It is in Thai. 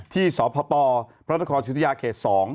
ที่สอบพระปอร์พระราชนาคมศุษยาเขต๒